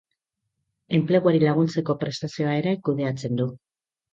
Enpleguari laguntzeko prestazioa ere kudeatzen du.